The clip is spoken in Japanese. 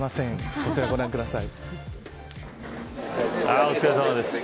こちら、ご覧ください。